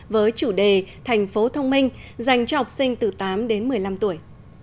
với chủ đề thành phố thông minh dành cho học sinh từ tám đến một mươi năm tuổi